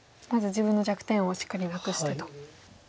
まず自分の弱点をしっかりなくしてと。